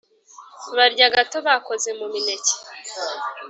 barya gato bakoze mu mineke